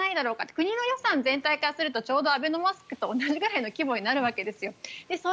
国の予算全体からするとアベノマスクと同じぐらいの規模になるわけです。